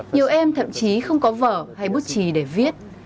nhiều em thậm chí không có vở hay bút trì để viết